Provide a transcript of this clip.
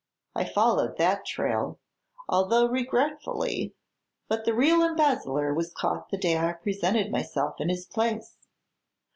I followed that trail, although regretfully, but the real embezzler was caught the day I presented myself in his place.